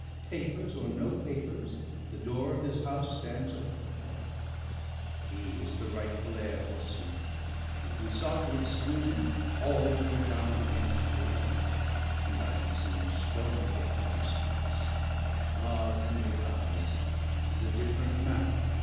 Papers or no papers, the door of this house stands open for him; he is the rightful heir, forsooth! If we sought to exclude him, all would redound against poor Henry, and I should see him stoned again upon the streets. Ah! if Henry dies, it is a different matter!